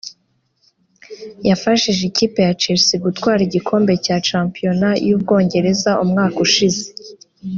yafashije ikipe ya Chelsea gutwara igikombe cya shampiyona y’u Bwongereza umwaka ushize